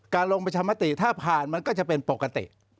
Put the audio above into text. ลงประชามติถ้าผ่านมันก็จะเป็นปกติ